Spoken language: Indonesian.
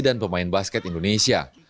dan pemain basket indonesia